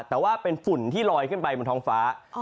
แต่ว่าเป็นฝุ่นที่ลอยขึ้นไปบนท้องฟ้า